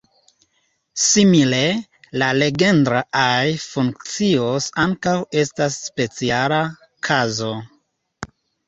Simile, la Legendre-aj funkcioj ankaŭ estas speciala kazo.